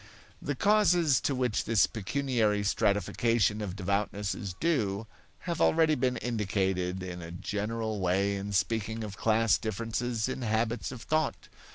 The causes to which this pecuniary stratification of devoutness is due have already been indicated in a general way in speaking of class differences in habits of thought.